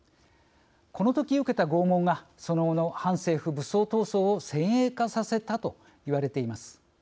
この時受けた拷問がその後の反政府武装闘争を先鋭化させたといわれています。